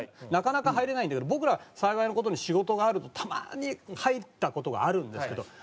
なかなか入れないんだけど僕ら幸いな事に仕事があるとたまに入った事があるんですけど。